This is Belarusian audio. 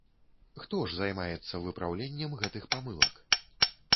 Хто ж займаецца выпраўленнем гэтых памылак?